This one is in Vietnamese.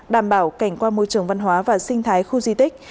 đảm bảo cảnh quan môi trường văn hóa và sinh thái khu di tích